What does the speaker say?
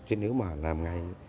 chứ nếu mà làm ngay